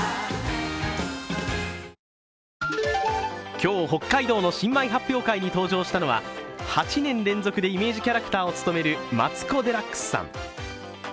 今日、北海道の新米発表会に登場したのは８年連続でイメージキャラクターを務めるマツコ・デラックスさん。